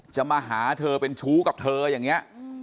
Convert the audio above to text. จะมาหาเธอเป็นชู้กับเธออย่างนี้